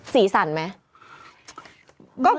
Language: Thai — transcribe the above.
สีสันไหม